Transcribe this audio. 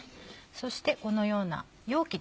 そしてこのような容器ですね。